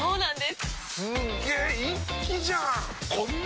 すげ一気じゃん！